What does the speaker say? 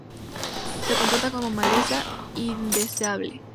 Se comporta como maleza, indeseable.